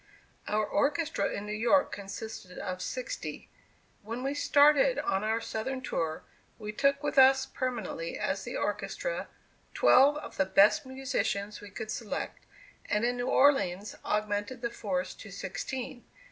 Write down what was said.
Our orchestra in New York consisted of sixty. When we started on our southern tour, we took with us permanently as the orchestra, twelve of the best musicians we could select, and in New Orleans augmented the force to sixteen.